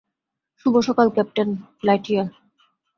শুভ সকাল, Captain Lightyear.